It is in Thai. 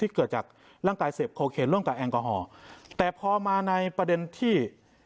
เกิดจากร่างกายเสพโคเคนร่วมกับแอลกอฮอล์แต่พอมาในประเด็นที่